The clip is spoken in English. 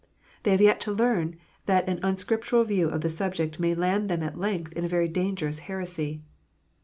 They have yet to learn that an unscriptural view of the subject may land them at length in a very dangerous heresy.